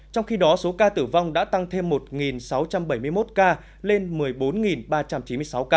trong khi đó số ca tử vong đã tăng thêm một sáu trăm bảy mươi một ca lên một mươi bốn ba trăm chín mươi sáu ca